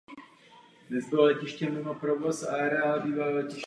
Dnes je letiště mimo provoz a areál bývalého letiště využívá indonéská armáda.